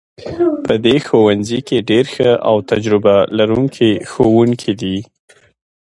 په دې ښوونځي کې ډیر ښه او تجربه لرونکي ښوونکي دي